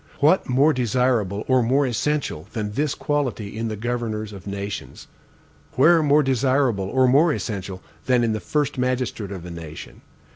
What more desirable or more essential than this quality in the governors of nations? Where more desirable or more essential than in the first magistrate of a nation?